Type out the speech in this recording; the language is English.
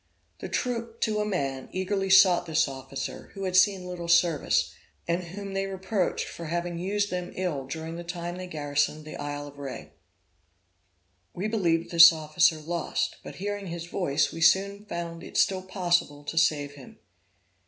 The troop, to a man, eagerly sought this officer, who had seen little service, and whom they reproached for having used them ill during the time they garrisoned the Isle of Rhe. We believed this officer lost, but hearing his voice, we soon found it still possible to save him.